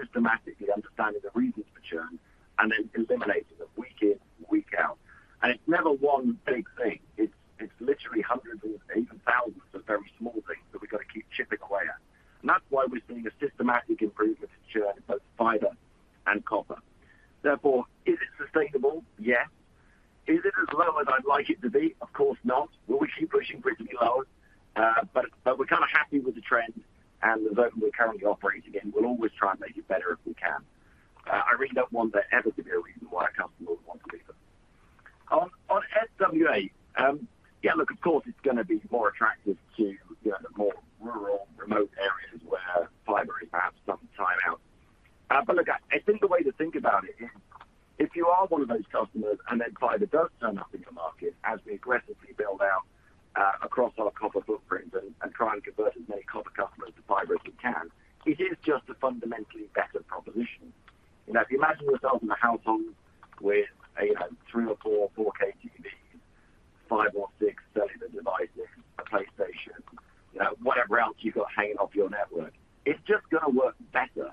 systematically understanding the reasons for churn and then eliminating them week in, week out. It's never one big thing. It's literally hundreds or even thousands of very small things that we've got to keep chipping away. That's why we're seeing a systematic improvement in churn, both fiber and copper. Therefore, is it sustainable? Yes. Is it as low as I'd like it to be? Of course not. Will we keep pushing for it to be lower? We're kind of happy with the trend and the moat we're currently operating in. We'll always try and make it better if we can. I really don't want there ever to be a reason why a customer would want to leave us. On FWA, yeah, look, of course, it's gonna be more attractive to, you know, the more rural remote areas where fiber is perhaps some time out. Look, I think the way to think about it is if you are one of those customers and then fiber does turn up in your market as we aggressively build out across our copper footprints and try and convert as many copper customers to fiber as we can, it is just a fundamentally better proposition. You know, if you imagine yourself in a household with, you know, three or four 4K TVs, five or six cellular devices, a PlayStation, you know, whatever else you've got hanging off your network, it's just gonna work better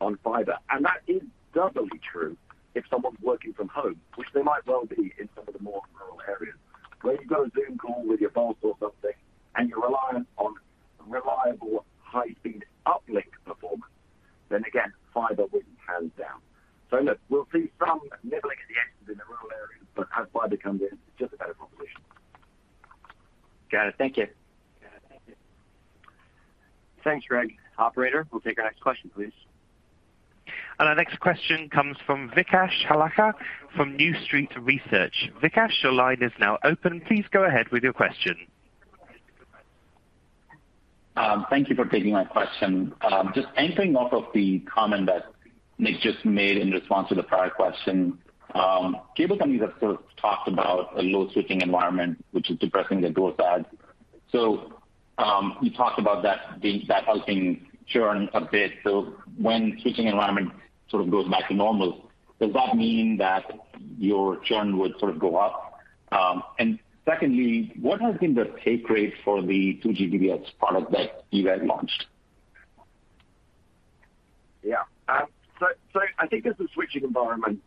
on fiber. And that is doubly true if someone's working from home, which they might well be in some of the more rural areas. Where you've got a Zoom call with your boss or something, and you're reliant on reliable high-speed uplink performance, then again, fiber wins hands down. Look, we'll see some nibbling at the edges in the rural areas, but as fiber comes in, it's just a better proposition. Got it. Thank you. Thanks, Greg. Operator, we'll take our next question, please. Our next question comes from Vikash Harlalka from New Street Research. Vikash, your line is now open. Please go ahead with your question. Thank you for taking my question. Just anchoring off of the comment that Nick just made in response to the prior question, cable companies have sort of talked about a low switching environment, which is depressing the growth side. You talked about that helping churn a bit. When switching environment sort of goes back to normal, does that mean that your churn would sort of go up? Secondly, what has been the take rate for the 2 Gb product that you guys launched? Yeah. So I think as the switching environment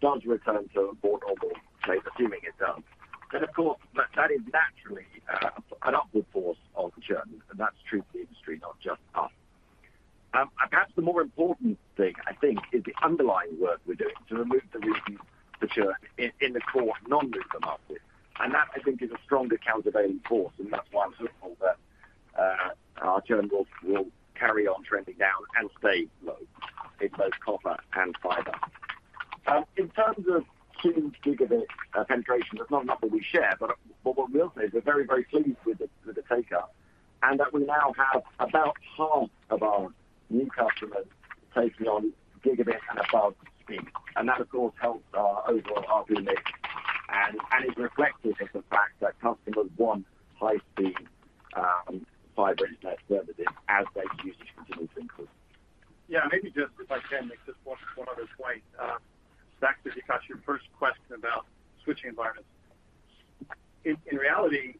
does return to a more normal state, assuming it does, then of course, that is naturally an upward force on churn. That's true for the industry, not just us. Perhaps the more important thing, I think, is the underlying work we're doing to remove the reasons for churn in the core non-broadband market. That, I think, is a stronger countervailing force. That's why I'm hopeful that our churn will carry on trending down and stay low in both copper and fiber. In terms of 2 Gb penetration, that's not a number we share, but what we'll say is we're very, very pleased with the take-up, and that we now have about half of our new customers taking on gigabit and above speed. That, of course, helps our overall ARPU mix and is reflective of the fact that customers want high-speed fiber internet services as their usage continues to increase. Maybe just if I can, Nick, just one other point. Back to Vikash, your first question about switching environments. In reality,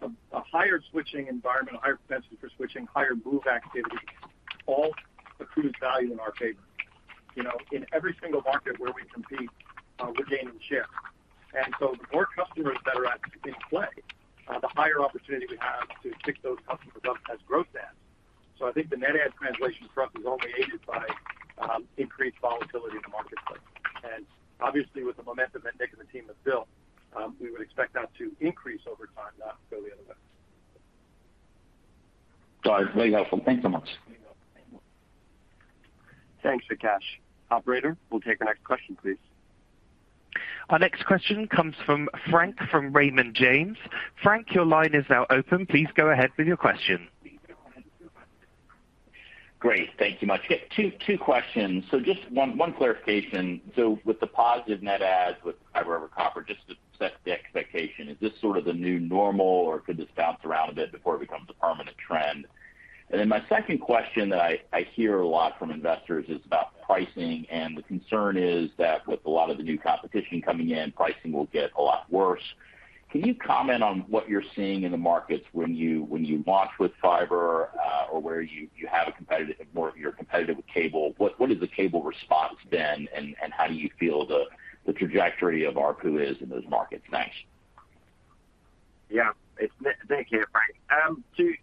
a higher switching environment, a higher propensity for switching, higher move activity, all accrues value in our favor. You know, in every single market where we compete, we're gaining share. The more customers that are in play, the higher opportunity we have to pick those customers up as growth adds. I think the net add translation for us is only aided by increased volatility in the marketplace. Obviously, with the momentum that Nick and the team have built, we would expect that to increase over time, not go the other way. Great. Very helpful. Thanks so much. Thanks, Vikash. Operator, we'll take the next question, please. Our next question comes from Frank from Raymond James. Frank, your line is now open. Please go ahead with your question. Great. Thank you much. Yeah, two questions. So just one clarification. So with the positive net adds with fiber over copper, just to set the expectation, is this sort of the new normal or could this bounce around a bit before it becomes a permanent trend? And then my second question that I hear a lot from investors is about pricing and the concern is that with a lot of the new competition coming in, pricing will get a lot worse. Can you comment on what you're seeing in the markets when you launch with fiber, or where you have more competition with cable? What has the cable response been and how do you feel the trajectory of ARPU is in those markets? Thanks. Yeah. It's Nick here, Frank. 2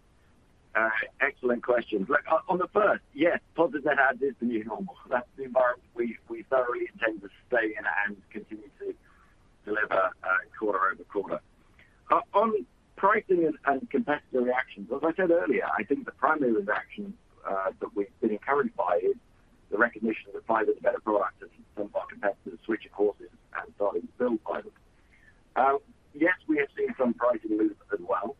excellent questions. Look, on the first, yes, positive net add is the new normal. That's the environment we thoroughly intend to stay in and continue to deliver quarter-over-quarter. On pricing and competitor reactions, as I said earlier, I think the primary reaction that we've been encouraged by is the recognition that fiber's a better product and some of our competitors are switching courses and starting to build fiber. Yes, we have seen some pricing movement as well.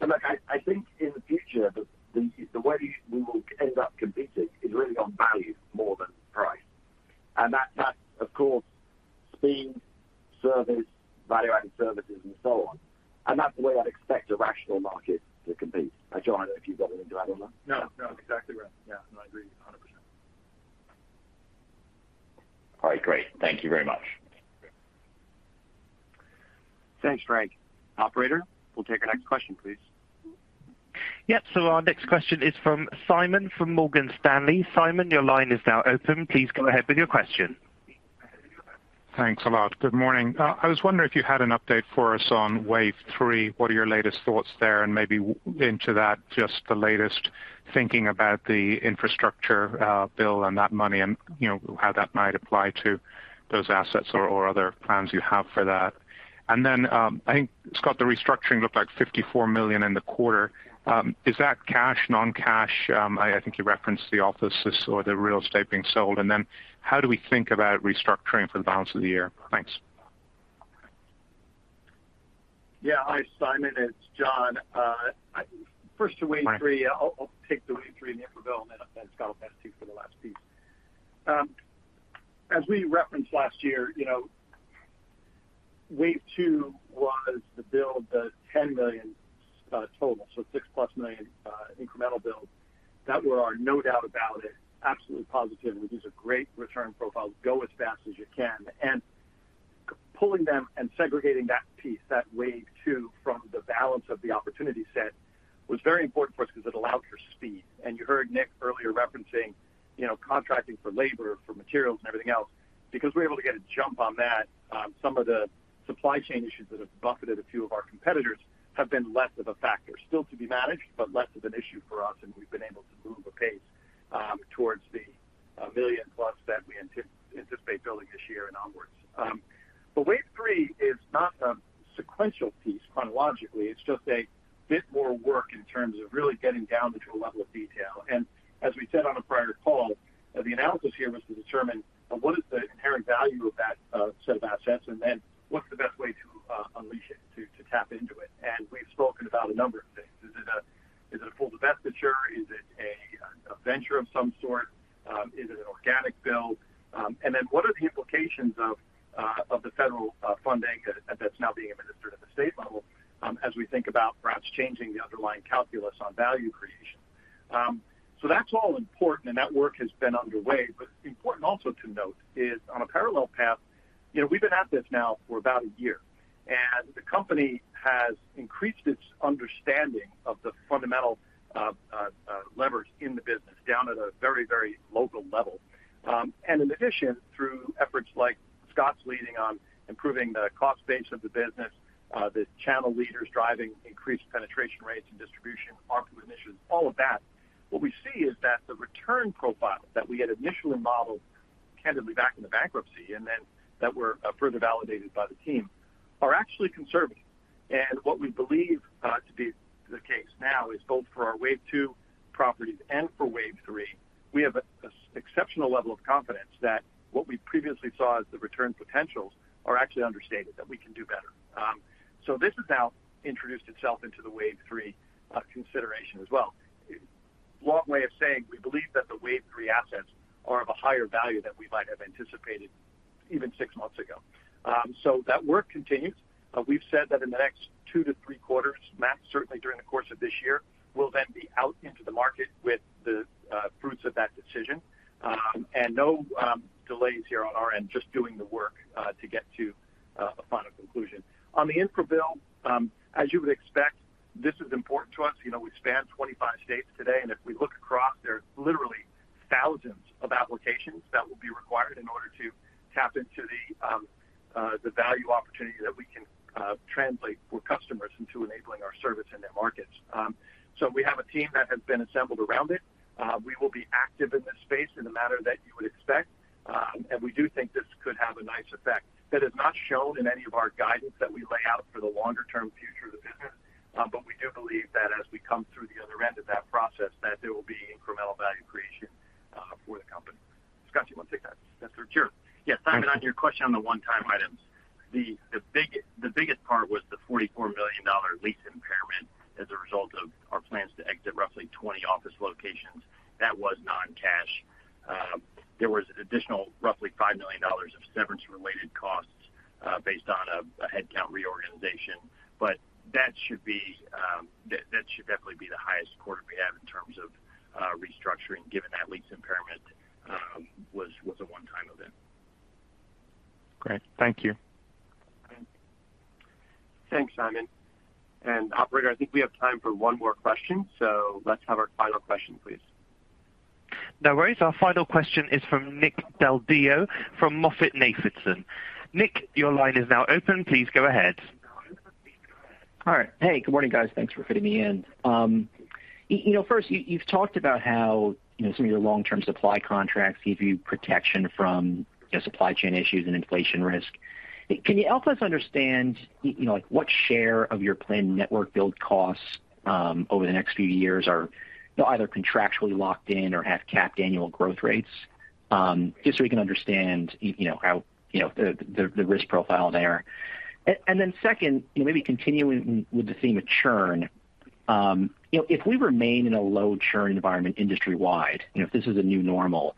Look, I think in the future the way we will end up competing is really on value more than price. That's of course speed, service, value-added services and so on. That's the way I'd expect a rational market to compete. Now, John, I don't know if you've got anything to add on that. No, no. Exactly right. Yeah, no, I agree 100%. All right, great. Thank you very much. Great. Thanks, Frank. Operator, we'll take our next question, please. Yep. Our next question is from Simon from Morgan Stanley. Simon, your line is now open. Please go ahead with your question. Thanks a lot. Good morning. I was wondering if you had an update for us on Wave 3. What are your latest thoughts there? Maybe weave into that, just the latest thinking about the infrastructure bill and that money and, you know, how that might apply to those assets or other plans you have for that. I think, Scott, the restructuring looked like $54 million in the quarter. Is that cash, non-cash? I think you referenced the offices or the real estate being sold. How do we think about restructuring for the balance of the year? Thanks. Yeah. Hi, Simon, it's John. First to Wave 3. Hi. I'll take the Wave 3 and the infill and then I'll let Scott add, too, for the last piece. As we referenced last year, you know, Wave 2 was the build, the 10 million total, so 6+ million incremental build. That we are no doubt about it, absolutely positive. These are great return profiles. Go as fast as you can. Pulling them and segregating that piece, that Wave 2 from the balance of the opportunity set was very important for us because it allowed for speed. You heard Nick earlier referencing, you know, contracting for labor, for materials and everything else. Because we're able to get a jump on that, some of the supply chain issues that have buffeted a few of our competitors have been less of a factor. Still to be managed, but less of an issue for us, and we've been able to move apace towards the 1+ million that we anticipate building this year and onwards. Wave 3 is not a sequential piece chronologically. It's just a bit more work in terms of really getting down into a level of detail. As we said on a prior call, the analysis here was to determine what is the inherent value of that set of assets, and then what's the best way to unleash it, to tap into it. We've spoken about a number of things. Is it a full divestiture? Is it a venture of some sort? Is it an organic build? What are the implications of the federal funding that's now being administered at the state level, as we think about perhaps changing the underlying calculus on value creation? That's all important and that work has been underway. Important also to note is on a parallel path, you know, we've been at this now for about a year, and the company has increased its understanding of the fundamental leverage in the business down at a very, very local level. In addition, through efforts like Scott's leading on improving the cost base of the business, the channel leaders driving increased penetration rates and distribution, ARPU initiatives, all of that, what we see is that the return profile that we had initially modeled candidly back in the bankruptcy and then that were further validated by the team are actually conservative. What we believe to be the case now is both for our Wave 2 properties and for Wave 3, we have a exceptional level of confidence that what we previously saw as the return potentials are actually understated, that we can do better. This has now introduced itself into the Wave 3 consideration as well. Long way of saying we believe that the Wave 3 assets are of a higher value than we might have anticipated even six months ago. That work continues. We've said that in the next two to three quarters, Matt, certainly during the course of this year, we'll then be out into the market with the fruits of that decision. No delays here on our end, just doing the work to get to a final conclusion. On the infrastructure bill, as you would expect, this is important to us. You know, we span 25 states today, and if we look across, there's literally thousands of applications that will be required in order to tap into the value opportunity that we can translate for customers into enabling our service in their markets. We have a team that has been assembled around it. We will be active in this space in the manner that you would expect. We do think this could have a nice effect. That is not shown in any of our guidance that we lay out for the longer term future of the business. We do believe that as we come through the other end of that process, that there will be incremental value creation. Sure. Yeah, Simon, on your question on the one-time items, the biggest part was the $44 million lease impairment as a result of our plans to exit roughly 20 office locations. That was non-cash. There was an additional roughly $5 million of severance related costs based on a headcount reorganization. That should definitely be the highest quarter we have in terms of restructuring, given that lease impairment was a one-time event. Great. Thank you. Okay. Thanks, Simon. Operator, I think we have time for one more question, so let's have our final question, please. No worries. Our final question is from Nick Del Deo from MoffettNathanson. Nick, your line is now open. Please go ahead. All right. Hey, good morning, guys. Thanks for fitting me in. You know, first, you've talked about how, you know, some of your long-term supply contracts give you protection from, you know, supply chain issues and inflation risk. Can you help us understand, you know, like what share of your planned network build costs over the next few years are either contractually locked in or have capped annual growth rates? Just so we can understand, you know, how, you know, the risk profile there. Second, you know, maybe continuing with the theme of churn, you know, if we remain in a low churn environment industry-wide, you know, if this is a new normal,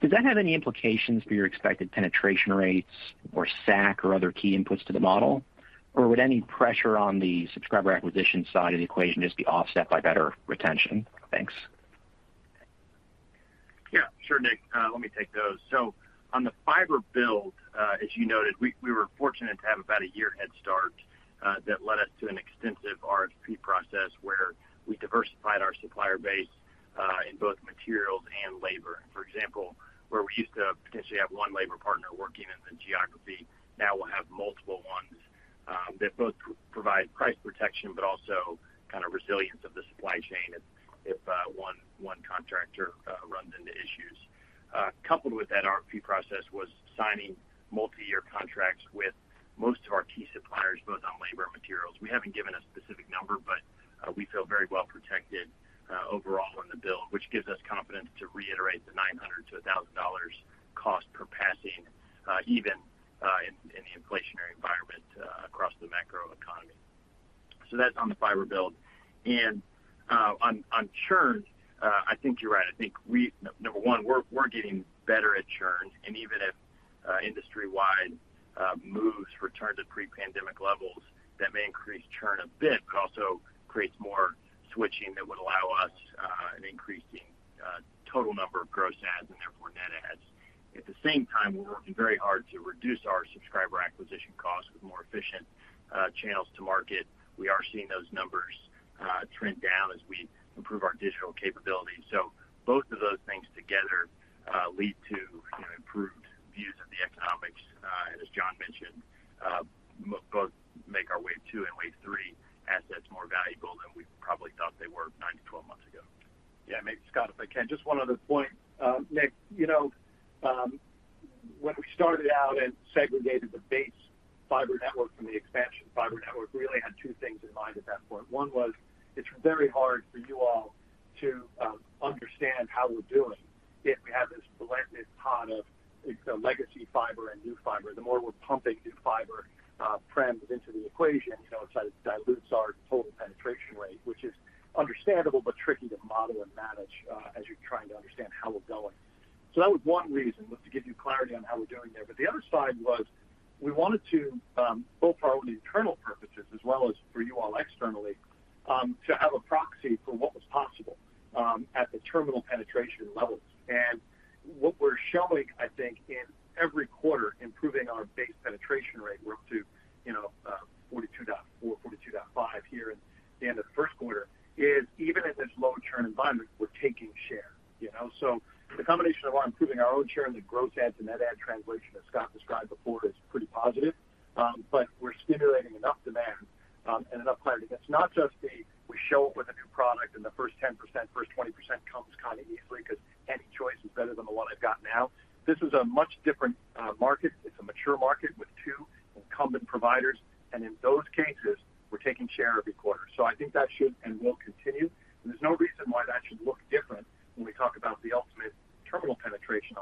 does that have any implications for your expected penetration rates or SAC or other key inputs to the model? Would any pressure on the subscriber acquisition side of the equation just be offset by better retention? Thanks. Yeah, sure, Nick. Let me take those. On the fiber build, as you noted, we were fortunate to have about a year head start that led us to an extensive RFP process where we diversified our supplier base in both materials and labor. For example, where we used to potentially have one labor partner working in the geography, now we'll have multiple ones that both provide price protection, but also kind of resilience of the supply chain if one contractor runs into issues. Coupled with that RFP process was signing multi-year contracts with most of our key suppliers, both on labor and materials. We haven't given a specific number, but we feel very well protected overall in the build, which gives us confidence to reiterate the $900-$1,000 cost per passing, even in the inflationary environment across the macro economy. That's on the fiber build. On churn, I think you're right. Number one, we're getting better at churn, and even if industry-wide moves return to pre-pandemic levels, that may increase churn a bit, but also creates more switching that would allow us an increasing total number of gross adds and therefore net adds. At the same time, we're working very hard to reduce our subscriber acquisition costs with more efficient channels to market. We are seeing those numbers trend down as we improve our digital capabilities. Both of those things together lead to, you know, improved views of the economics, and as John mentioned, both make our Wave 2 and Wave 3 assets more valuable than we probably thought they were 9-12 months ago. Yeah. Maybe, Scott, if I can, just one other point. Nick, you know, when we started out and segregated the base fiber network from the expansion fiber network, we only had two things in mind at that point. One was, it's very hard for you all to understand how we're doing if we have this blended pot of, you know, legacy fiber and new fiber. The more we're pumping new fiber strands into the equation, you know, it dilutes our total penetration rate, which is understandable but tricky to model and manage, as you're trying to understand how we're going. That was one reason, was to give you clarity on how we're doing there. The other side was we wanted to both for our own internal purposes as well as for you all externally to have a proxy for what was possible at the terminal penetration levels. What we're showing, I think, in every quarter, improving our base penetration rate, we're up to, you know, 42.4, 42.5 here at the end of the first quarter, is even in this low churn environment, we're taking share, you know. The combination of improving our own churn, the gross adds and net add translation that Scott described before is pretty positive. But we're stimulating enough demand and enough clarity. That's not just we show up with a new product and the first 10%, first 20% comes kind of easily because any choice is better than the one I've got now. This is a much different market. It's a mature market with two incumbent providers, and in those cases, we're taking share every quarter. I think that should and will continue, and there's no reason why that should look different when we talk about the ultimate terminal penetration levels.